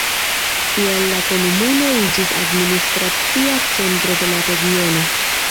Tiam la komunumo iĝis administracia centro de la regiono.